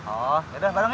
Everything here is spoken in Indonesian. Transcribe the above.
oh ya udah padang yuk